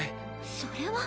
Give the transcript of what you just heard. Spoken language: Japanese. それは。